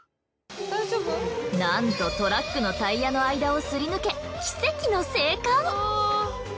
なんとトラックのタイヤの間をすり抜け奇跡の生還。